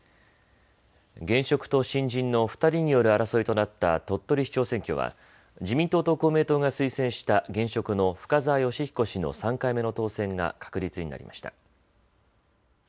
現職と新人の２人による争いとなった鳥取市長選挙は自民党と公明党が推薦した現職の深澤義彦氏の３回目の当選が確実になりました。